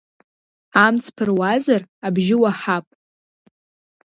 Амҵ ԥыруазар абжьы уаҳап.